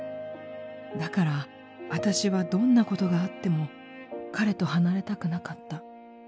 だからあたしはどんなことがあっても彼と離れたくなかった」。